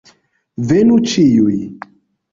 Venu ĉiuj!